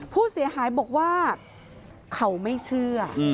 ผู้เสียหายบอกว่าเขาไม่เชื่อ